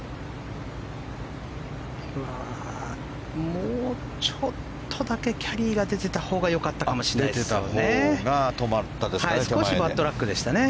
もうちょっとだけキャリーが出てたほうが良かったかもしれませんね。